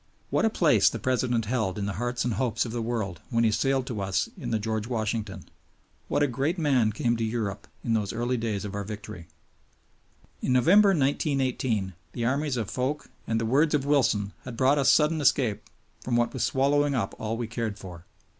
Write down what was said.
What a place the President held in the hearts and hopes of the world when he sailed to us in the George Washington! What a great man came to Europe in those early days of our victory! In November, 1918, the armies of Foch and the words of Wilson had brought us sudden escape from what was swallowing up all we cared for.